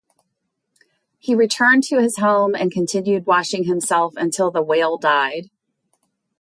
He returned to his home and continued washing himself until the whale died.